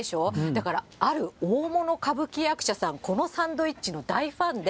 だから、ある大物歌舞伎役者さん、このサンドイッチの大ファンで、